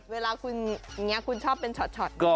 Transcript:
เวลาคุณอย่างนี้คุณชอบเป็นช็อต